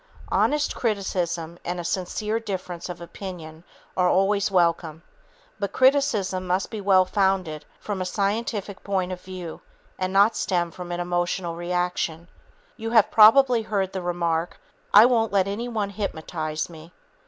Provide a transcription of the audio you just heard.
Honest criticism and a sincere difference of opinion are always welcome. But criticism must be well founded from a scientific point of view and not stem from an emotional reaction. You have probably heard the remark, "I won't let anyone hypnotize me."